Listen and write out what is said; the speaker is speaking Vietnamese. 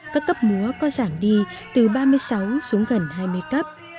các cấp múa có giảm đi từ ba mươi sáu xuống gần hai mươi cấp